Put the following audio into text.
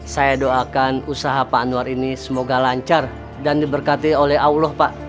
saya doakan usaha pak anwar ini semoga lancar dan diberkati oleh allah pak